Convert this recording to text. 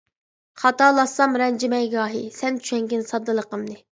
خاتالاشسام رەنجىمەي گاھى، سەن چۈشەنگىن ساددىلىقىمنى.